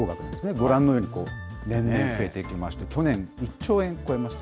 ご覧のように、こう、年々増えていきまして、去年、１兆円超えました。